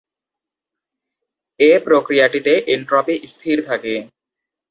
এ প্রক্রিয়াটিতে এনট্রপি স্থির থাকে।